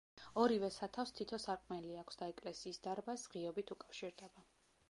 ორივე სათავსს თითო სარკმელი აქვს და ეკლესიის დარბაზს ღიობით უკავშირდება.